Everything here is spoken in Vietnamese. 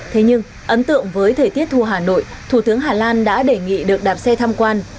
thế nhưng ấn tượng với thời tiết thu hà nội thủ tướng hà lan đã đề nghị được đạp xe tham quan